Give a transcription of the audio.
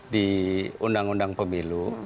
di undang undang pemilu